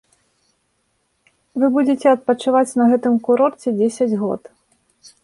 Вы будзеце адпачываць на гэтым курорце дзесяць год.